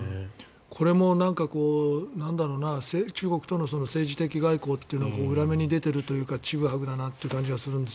これも中国との政治的外交っていうのが裏目に出ているというかちぐはぐだなという感じがするんです。